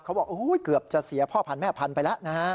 เขาบอกเกือบจะเสียพ่อพันธุแม่พันธุ์ไปแล้วนะฮะ